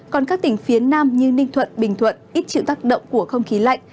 còn các tỉnh phía nam như ninh thuận bình thuận ít chịu tác động của không khí lạnh